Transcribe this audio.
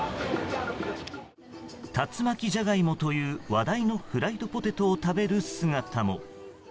竜巻ジャガイモという話題のフライドポテトを食べる姿も。